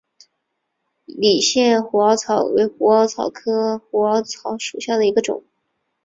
理县虎耳草为虎耳草科虎耳草属下的一个种。